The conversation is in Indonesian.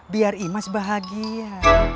biar imas bahagia